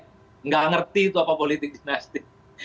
tidak mengerti itu apa politik dinasti